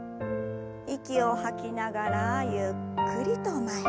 息を吐きながらゆっくりと前。